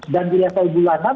dan di level bulanan